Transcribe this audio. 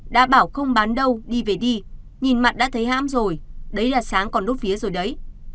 đã bảo không bán đâu đi về đi nhìn mặn đã thấy hãm rồi đấy là sáng còn nút phía rồi đấy